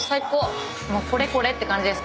もうこれこれって感じです。